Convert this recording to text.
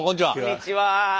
こんにちは。